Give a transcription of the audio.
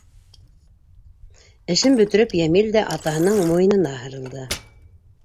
Эшен бөтөрөп Йәмил дә атаһының муйынына һырылды.